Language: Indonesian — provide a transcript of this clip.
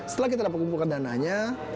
setelah kita dapat kumpulkan dananya